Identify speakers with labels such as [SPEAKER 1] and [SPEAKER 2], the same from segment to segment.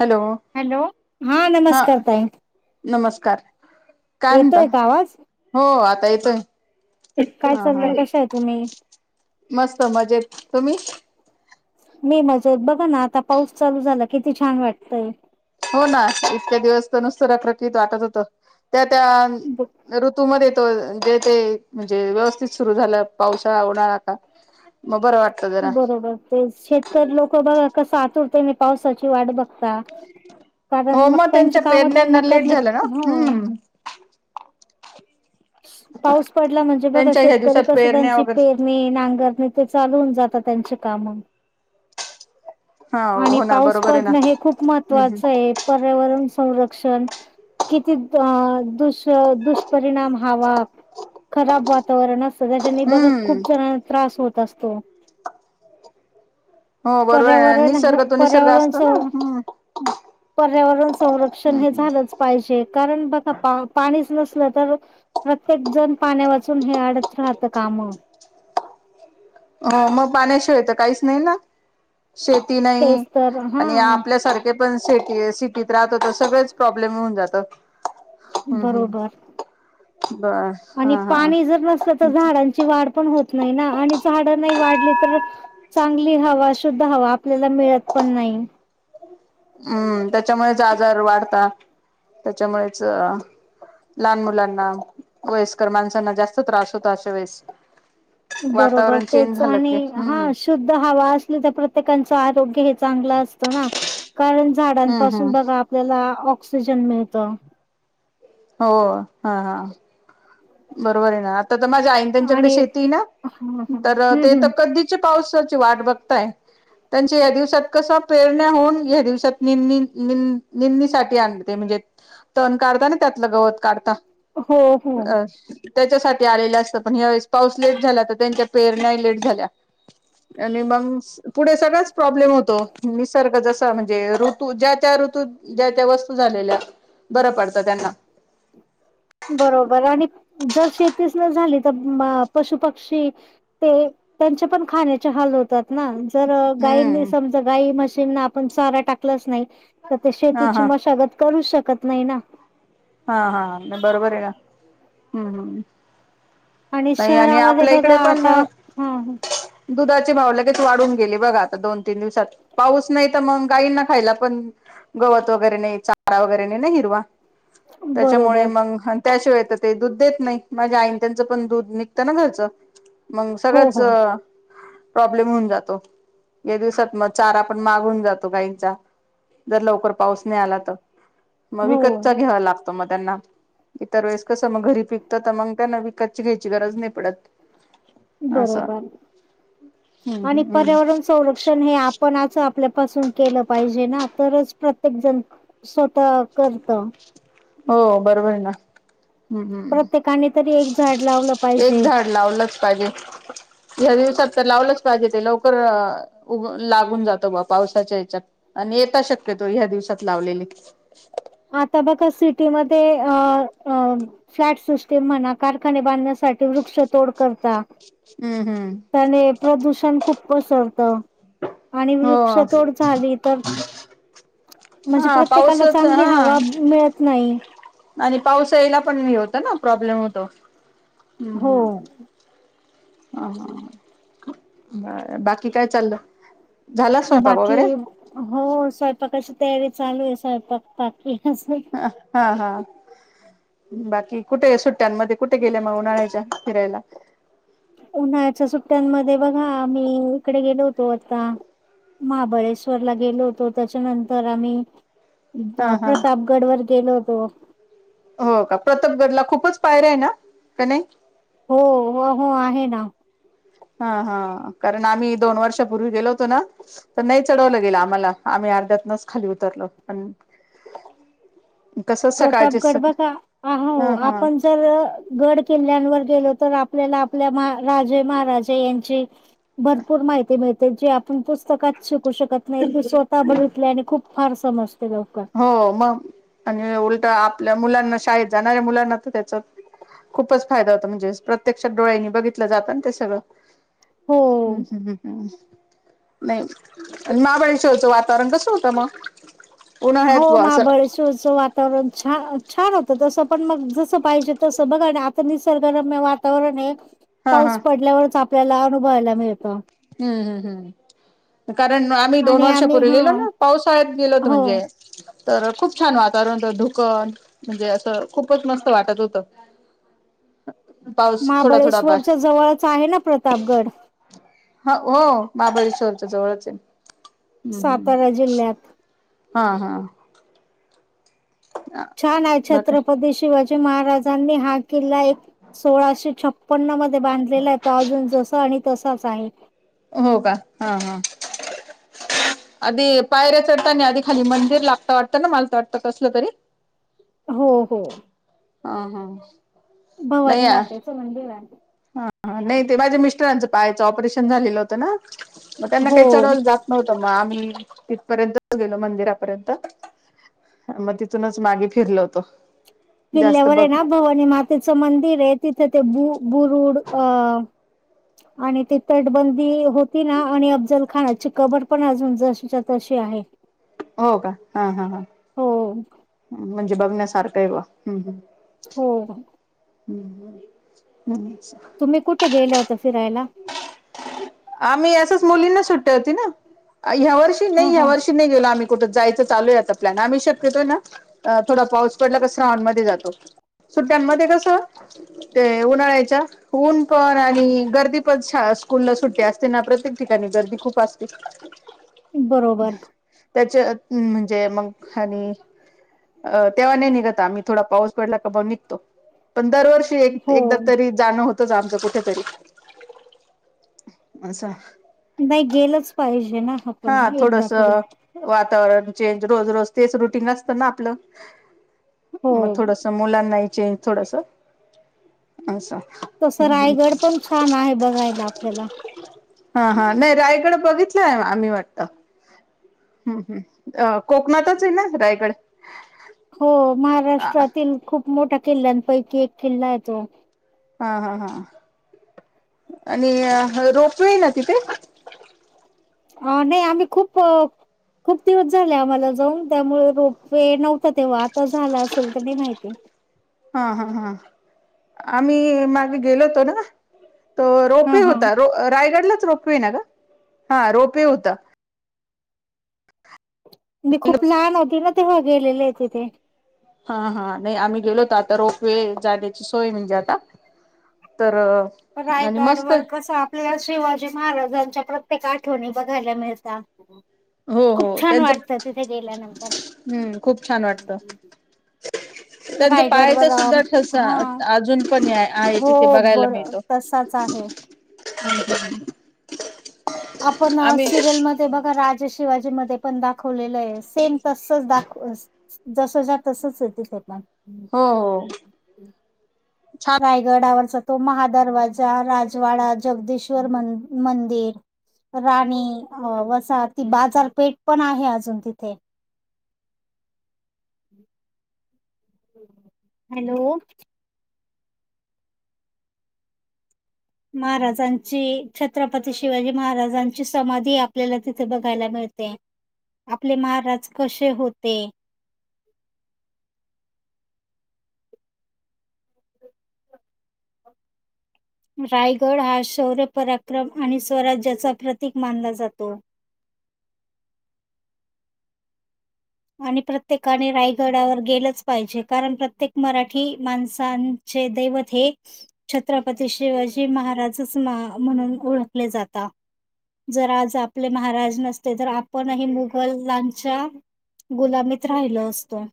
[SPEAKER 1] Hello
[SPEAKER 2] hello हा नमस्कार ताई
[SPEAKER 1] नमस्कार काय म्हणतात
[SPEAKER 2] येतोय का आवाज
[SPEAKER 1] हो आता येतोय
[SPEAKER 2] काय
[SPEAKER 1] हा हा
[SPEAKER 2] चाललंय कशा आहे तुम्ही
[SPEAKER 1] मस्त मजेत तुम्ही
[SPEAKER 2] मी मज बघा ना आता पाऊस चालू झाला किती छान वाटतय-
[SPEAKER 1] हो ना इतक्या दिवस तर नुसत रखरखीत वाटत होत त्या त्या ऋतूमध्ये जे जे म्हणजे व्यवस्थित सुरु झालं पावसाळा उन्हाळा मग बरं वाटतं जरा
[SPEAKER 2] बरोबर ते शेतकरी लोक बघ कस आतुरतेने पावसाची वाट बघ ता कारण
[SPEAKER 1] हो
[SPEAKER 2] मगं
[SPEAKER 1] मग
[SPEAKER 2] त्यांचे
[SPEAKER 1] त्यांच्या
[SPEAKER 2] काम त्यांना
[SPEAKER 1] पेरण्यांना लेट
[SPEAKER 2] करणे
[SPEAKER 1] झालं ना
[SPEAKER 2] ह
[SPEAKER 1] हम्म
[SPEAKER 2] पाऊस पडला म्हणजे बघा
[SPEAKER 1] त्यांच्या ह्या
[SPEAKER 2] शेतकरी
[SPEAKER 1] दिवसात
[SPEAKER 2] कस
[SPEAKER 1] पेरण्या
[SPEAKER 2] त्यांची
[SPEAKER 1] वगैरे
[SPEAKER 2] पेरणी नांगरणी ते चालवून होऊन जात आता त्यांची काम
[SPEAKER 1] हा
[SPEAKER 2] आणि
[SPEAKER 1] हो ना
[SPEAKER 2] पाऊस
[SPEAKER 1] बरोबर आहे ना
[SPEAKER 2] पडणं हे खूप
[SPEAKER 1] हम्म
[SPEAKER 2] महत्वाचं हाय पर्यावरण संरक्षण किती दुष्परिणाम हवा खराब वातावरण असत त्याच्या बघा
[SPEAKER 1] हम्म
[SPEAKER 2] खूप जणांना त्रास होत होत असतो
[SPEAKER 1] हो बरोबर
[SPEAKER 2] पर्यावरण
[SPEAKER 1] निसर्ग तो निसर्ग असतो
[SPEAKER 2] पर्यावरणच
[SPEAKER 1] ना हम्म
[SPEAKER 2] पर्यावरण संरक्षण हे
[SPEAKER 1] हम्म
[SPEAKER 2] झालंच पाहिजे कारण बघा पाणी तर प्रत्येक जण पाण्या वाचून हे अडत राहत काम [unintelligible]
[SPEAKER 1] हो मगं पाण्याशिवाय तर काहीच नाही ना शेती नाही
[SPEAKER 2] तेच तर हा
[SPEAKER 1] आणि आपल्यासारखे पण से सिटीत राहत होत सगळंच प्रॉब्लेम होऊन जातातं.
[SPEAKER 2] बरोबर.
[SPEAKER 1] बर
[SPEAKER 2] आणि
[SPEAKER 1] हा हा
[SPEAKER 2] पाणी जर नसलं तर झाडांची वाढ पण होत नाही ना आणि झाड नाही वाढली तर चांगली हवा शुद्ध हवा आपल्याला मिळत पण नाही
[SPEAKER 1] हम्म त्याच्यामुळेच आजार वाढतात त्याच्यामुळेच लहान मुलांना, वयस्कर माणसांना जास्त त्रास होता अशा वेळेस
[SPEAKER 2] बरोबर
[SPEAKER 1] वातावरण चेंज
[SPEAKER 2] तेच
[SPEAKER 1] झालं
[SPEAKER 2] आणि
[SPEAKER 1] की
[SPEAKER 2] हा
[SPEAKER 1] हम्म
[SPEAKER 2] शुद्ध हवा असली तर प्रत्येकांच् आरोग्य हे चांगल असत ना कारण
[SPEAKER 1] हम्म
[SPEAKER 2] झाडांपासून
[SPEAKER 1] हम्म
[SPEAKER 2] बघा आपल्याला ऑक्सिजन मिळत,
[SPEAKER 1] हो हा हा. बरोबर आहे ना आता तर माझ्या आई त्यांच्याकडे
[SPEAKER 2] आणि
[SPEAKER 1] शेती आहे ना.
[SPEAKER 2] हम्म
[SPEAKER 1] तर ते
[SPEAKER 2] हम्म
[SPEAKER 1] तर कधीच्या पावसाची वाट बघताय. त्यांच्या या दिवसात कस पेरण्या होऊन या दिवसात निंदणीसाठी आणते तण काढता ना त्यातलं गवत काढता-
[SPEAKER 2] हो हो.
[SPEAKER 1] अ त्याच्यासाठी आलेलं असत पण ह्यावेेळेस पाऊस लेट झाला तर त्यांच्या पेरण्या लेट झाल्या- आणि मगं पुढे सगळच प्रॉब्लेम होतो निसर्ग ज म्हणजे ऋतू ज्या त्या ऋतू ज्या त्या वस्तू झालेल्या बऱ्या पडतात त्यांना
[SPEAKER 2] [inaudible] बरोबर आणि जर शेतीच न झाली तर पशु पक्षी ते. त्यांचे पण खाण्याचे हाल होतात ना तर गाईनी
[SPEAKER 1] हम्म
[SPEAKER 2] समज गाय मशीन आपण चारा टाकलाच नाही तर ते
[SPEAKER 1] हा
[SPEAKER 2] शेतीची
[SPEAKER 1] हा
[SPEAKER 2] मशागत करू शकत नाही ना
[SPEAKER 1] हा-हा बरोबर आहे ना हम्म-हम्म नाही आणि
[SPEAKER 2] शहरामध्ये
[SPEAKER 1] आपल्या
[SPEAKER 2] बघा
[SPEAKER 1] इकडे पण
[SPEAKER 2] आता हा
[SPEAKER 1] दुधा भावे तू वाढून गेली बघा आता दोन तीन दिवसात पाऊस नाही तर मग गाईंना खायला प गवत वगैरे नाही चारा वगैरे नाही हिरवा त्याच्यामुळे
[SPEAKER 2] बरोबर
[SPEAKER 1] मग त्याशिवाय ते दूध देत नाही माझ्या आईन त्यांचं पण दूध निघतं ना घरचं मंग
[SPEAKER 2] हो
[SPEAKER 1] सगळंच
[SPEAKER 2] हो
[SPEAKER 1] प्रॉब्लेम होऊन जातो या दिवसात मग चारा पण महाग होवून जातो गाईंचा जर लवकर पाऊस नाही आला तर मग
[SPEAKER 2] हो.
[SPEAKER 1] विकतच घ्यावा लागतो मग त्यांना इतर वेळेस कस मग घरी पिकत तर मग यांना विकातची घ्यायची गरज नाही पडत. असं
[SPEAKER 2] बरोबर,
[SPEAKER 1] हम्म
[SPEAKER 2] आणि
[SPEAKER 1] हम्म
[SPEAKER 2] पर्यावरण
[SPEAKER 1] हम्म
[SPEAKER 2] संरक्षण हे आपण आपल्यापासून केलं पाहिजे ना तरच प्रत्येक जण स्वतः करत
[SPEAKER 1] हो बरोबर ना, हम्-हम्
[SPEAKER 2] प्रत्येकाने तरी एक झाड लावलं
[SPEAKER 1] एक
[SPEAKER 2] पाहिजे.
[SPEAKER 1] झाड लावलंच पाहिजे ह्या दिवसात, तर लावलंच पाहिजे ते लवकर लागून जातो. बा पावसाच्या यच्यात आणि येता शक्य ह्या दिवसात लावलेली
[SPEAKER 2] आता बघा सिटीमध्ये आ-आ फ्लॅट सिस्टम म्हणा कारखाने बांधण्या साठी वृक्ष तोड करता
[SPEAKER 1] हम्म हम्म.
[SPEAKER 2] त्याने प्रदूषण खूप कोसळत
[SPEAKER 1] हो [inaudible]
[SPEAKER 2] तर म्हणजे
[SPEAKER 1] हा
[SPEAKER 2] प्रत्येकाला
[SPEAKER 1] पाऊसच आ,
[SPEAKER 2] चांगली
[SPEAKER 1] हा
[SPEAKER 2] हवा मिळत नाही.
[SPEAKER 1] आणि पावसाळीला पण होत ना प्रॉब्लेम होतो, हम्म-हम्,
[SPEAKER 2] हो.
[SPEAKER 1] ह-ह बाकी काय चाललं झाला स्वयंपाक
[SPEAKER 2] बाकी
[SPEAKER 1] वगैरे?
[SPEAKER 2] हो स्वयंपाकाची तयारी चालू आहे स्वयंपाक पाक
[SPEAKER 1] ह हा-हा, बाकी कुठे सुट्ट्यांमध्ये कुठे गेल्या मग उन्हाळायच्या फिरायला
[SPEAKER 2] उन्हाळ्याच्या सुट्ट्यांमध्ये बघा मीही इकडे गेलो होतो आता महाबळेश्वरला गेलो होतो, त्याच्यानंतर आम्ही
[SPEAKER 1] हा-हा
[SPEAKER 2] प्रतापगड वर गेलो होतो
[SPEAKER 1] हो का प्रतापगडला खूपच पायऱ्या आहे ना का नाही
[SPEAKER 2] हो-हो आहे ना
[SPEAKER 1] हा-हा कारण आम्ही दोन वर्षापूर्वी गेलो होतो ना तर नाही चढवलं गेलं आम्हाला आम्ही अर्ध्यातनच खाली उतरलो
[SPEAKER 2] [inaudible]
[SPEAKER 1] कसं सकाळचे स
[SPEAKER 2] प्रतापगड बघा
[SPEAKER 1] हा
[SPEAKER 2] अहो,
[SPEAKER 1] हा
[SPEAKER 2] आपण जर गड किल्ल्यांवर गेलो तर आपल्याला आपल्या राजे महाराजे यांची भरपूर माहिती मिळते त्याची आपण पुस्तकत शिकू शकत नाही, एक स्वतः बघितले आणि खूप फार समजत
[SPEAKER 1] हो मग आणि उलट आपल्या मुलांना शाळेत जाणाऱ्या मुलांना तर त्याच खूपच फायदा होता म्हणजे प्रत्यक्षात डोळ्यांनी बघितलं जातं ते सगळं
[SPEAKER 2] हो
[SPEAKER 1] हम्म हम्-हम् ह. नाही महाबळेश्वरचं वातावरण कसं होतं मग उन्हाळ्यात
[SPEAKER 2] हो
[SPEAKER 1] ब असं
[SPEAKER 2] महाबळेश्वरचं वातावरण छान छान होतं तस पण मग जसं पाहिजे तसं बघा आणि आता निसर्गरम्य वातावरण आहे
[SPEAKER 1] हा हा
[SPEAKER 2] पाऊस पडल्यावरच आपल्याला अनुभवायला मिळत
[SPEAKER 1] हम्म-हम्म हम्, कारण आम्ही दोन
[SPEAKER 2] आणि
[SPEAKER 1] वर्ष
[SPEAKER 2] आम्ही
[SPEAKER 1] पूर्वी
[SPEAKER 2] हा
[SPEAKER 1] गेलो ना पावसाळ्यात गेलोत
[SPEAKER 2] हो
[SPEAKER 1] म्हणजे तर खूप छान वातावरण तर धुकन म्हणजे असं खूपच मस्त वाटत होतं. हा.
[SPEAKER 2] महाबळेश्वरच्या जवळचा आहे ना प्रतापगड
[SPEAKER 1] ह हो महाबळेश्वरच्या जवळच आहे हम्म
[SPEAKER 2] सातारा
[SPEAKER 1] हम्म
[SPEAKER 2] जिल्ह्यात
[SPEAKER 1] हा हा.
[SPEAKER 2] छान आहे
[SPEAKER 1] बाकी
[SPEAKER 2] छत्रपती शिवाजी महाराजांनी हा किल्ला एक सोळाशे छप्पन पन्ना मध्ये बांधलेला आहे त अजून जस आणि तसाच आहे
[SPEAKER 1] हो का हा हा.
[SPEAKER 2] [unintelligible]
[SPEAKER 1] आदि पायऱ्या चढताना आदी खाली मंदिर लागता वाटतं ना माला तर वाटतं कसलं तरी
[SPEAKER 2] हो हो.
[SPEAKER 1] हा हा.
[SPEAKER 2] भवानी मातेचं मंदिर आय.
[SPEAKER 1] नाई ते माझ्या मिस्टरांचं पायाच ऑपरेशन झालेलं होतं ना मग त्यांना काही
[SPEAKER 2] हो
[SPEAKER 1] चढवलं जात नव्हतं मग आम्ही तितपर्यंत गेलो मंदिरापर्यंत मग तिथूनच मागे फिरल होतो. जास्त
[SPEAKER 2] किल्ल्यावर आय
[SPEAKER 1] बघ
[SPEAKER 2] ना भवानी मातेचं मंदिर आय तिथ ते [inaudible] फूड अ आणि ती तटबंदी होती ना आणि अफजल खानाची कबर पण अजून जशीच्या तशी आहे. आहे.
[SPEAKER 1] हो का हा हा हा म्हणजे बघण्यासारखं आहे बुआ हम्म्
[SPEAKER 2] हो
[SPEAKER 1] हम्म.
[SPEAKER 2] तुम्ही कुटऐ गेले होते
[SPEAKER 1] आम्ही असच मुलींना सुट्टी होती ना अ ह्या वर्षी
[SPEAKER 2] हा
[SPEAKER 1] नाई ह्या
[SPEAKER 2] हा
[SPEAKER 1] वर्षी नाई गेलो आम्ही कुट जायचं चालू आता प्लॅन आम्ही शक्यतो ना अ थोडा पाऊस पडला का श्रावण मध्ये जातो. सुट्ट्यांमध्ये कस, ते उन्हाळ्याच्या ऊन पण आणि गर्दी [inaudible] शाळा स्कूल ला सुट्टी असते ना प्रत्येक ठिकाणी गर्दी खूप असती.
[SPEAKER 2] बरोबर.
[SPEAKER 1] त्याच्यात म्हणजे मग [inaudible] अ तेव्हा नाही निघत आम्ही थोडा पाऊस पडला का मग निघतो पण दरवर्षी एक
[SPEAKER 2] हो
[SPEAKER 1] एकदा तरी जाणं होतच आमचं कुठेतरी [unintelligible] [inaudible]
[SPEAKER 2] नाही गेलच पाहिजे ना आपण
[SPEAKER 1] हा थोडस
[SPEAKER 2] एकदातरी.
[SPEAKER 1] [inaudible] चेंज रोज रोज तेच रुटीन असतं ना आपलं
[SPEAKER 2] हो
[SPEAKER 1] मग थोडस मुलांनाही चेंज थोडस असं
[SPEAKER 2] तसं रायगड पण छान आहे बघायला आपल्याला
[SPEAKER 1] हा हा नाइ रायगड बघितलाय आम्ही वाटत हम्म हम् अ कोकणातच आय ना रायगड.
[SPEAKER 2] हो
[SPEAKER 1] हा
[SPEAKER 2] महाराष्ट्रातील खूप मोठ्या किल्ल्यांपैकी एक किल्ला आये तो
[SPEAKER 1] हा हा हा. आणि रोपवेय ना तिथे.
[SPEAKER 2] अ नाइ आम्ही खूप खूप दिवस झाले आम्हाला जाऊन त्यामुळे रोप वे नव्हता तेव्हा आता झाला असेल तर नाइ माहिती [inaudible]
[SPEAKER 1] हा हा हा आम्ही मागे गेलो होतो ना त
[SPEAKER 2] हा
[SPEAKER 1] रोपवे
[SPEAKER 2] हा
[SPEAKER 1] होता रायगडलाच रोपवे आय ना ग हा रोपवे होता
[SPEAKER 2] मी खूप लहान होती ना तेव्हा गेलेले तिथे
[SPEAKER 1] हा हा नाइ आम्ही गेलो होतो रोपवेे जाण्याची सोय म्हणजे आता तरअ
[SPEAKER 2] रायगड वर कस आपल्या शिवाजी महाराजांच्या प्र ते आठवणी बघायला मिळता!
[SPEAKER 1] हो
[SPEAKER 2] खूप
[SPEAKER 1] हो
[SPEAKER 2] छान
[SPEAKER 1] त्यांचं
[SPEAKER 2] वाटतं तिथे गेल्यानंतर!
[SPEAKER 1] हम्म खूप छान वाटतं त्यांचा
[SPEAKER 2] रायगड वर
[SPEAKER 1] पायाचा
[SPEAKER 2] अ
[SPEAKER 1] सुद्धा ठसा
[SPEAKER 2] ह
[SPEAKER 1] अजून पण आहे तिथे बघायला मिळतो.
[SPEAKER 2] तसाच आहे. आपण
[SPEAKER 1] आम्ही
[SPEAKER 2] सिरियलमध्ये बघा राज जे शिवाजी मदे पण दाखवलेलं आये सेम तसच दाख जसच्या तसंच हाय तिथे पण.
[SPEAKER 1] हो हो. छान
[SPEAKER 2] रायगडावरच तो महादरवाजा राजवाडा जगदेश्वर मंदिर राणी वसा ती बाजारपेठ पण आहे अजून तिथे. [inaudible] हॅलो! महाराजांची छत्रपती शिवाजी महाराजांची समाधी आपल्याला तिथे बघायला मिळ ते, आपले महाराज कसे होते? [inaudible] रायगड हा शौर्य पराक्रम आणि स्वराज्याचा प्रतीक मानला जातो. [inaudible] आणि प्रत्येकाने रायगडावर गेलंच पाहिजे कारण प्रत्येक मराठी माणसांन चे दैवत हे छत्रपती शिवाजी महाराजच म्हणून ओळखले जातात. जर आज आपले महाराज नसते तर आपणही मुघलांच्या गुलामीत राहिल असतो.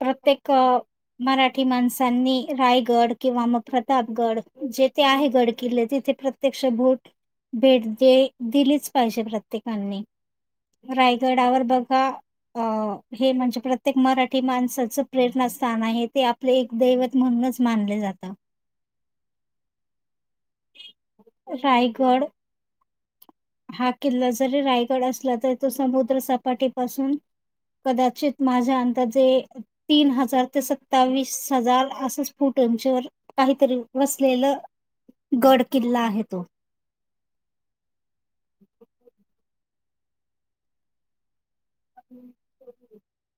[SPEAKER 2] प्रत्येक मराठी माणसांनी रायगड किंवा मग प्रतापगड जेथे आहे गडकिल्ले तिथे प्रत्यक्ष भूट भेट दे दिलीच पाहिजे प्रत्येकनी. रायगडावर बघा अ हे म्हणजे प्रत्येक मराठी माणसाचं प्रेरणा स्थान आहे ते आपले एक दैवत म्हणून मानले जात. रायगड हा किल्ला जरी रायगड असला, तरी तो समुद्र सपाटीपासून कदाचित माझ्या अंदाजे तीन हजार ते सत्तावीस हजार असच फुट उंचीवर काहीतरी वसलेलं गड किल्ला आहे तो. [inaudible] [inaudible]